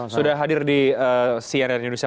sudah hadir di cnn indonesia